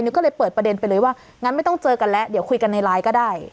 ก็เลยเปิดประเด็นไปเลยว่างั้นไม่ต้องเจอกันแล้วเดี๋ยวคุยกันในไลน์ก็ได้